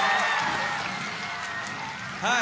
はい。